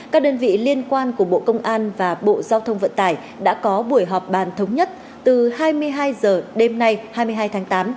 các đơn vị liên quan của bộ công an và bộ giao thông vận tải đã có buổi họp bàn thống nhất từ hai mươi hai h đêm nay hai mươi hai tháng tám